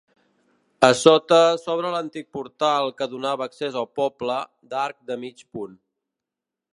A sota s'obre l'antic portal que donava accés al poble, d'arc de mig punt.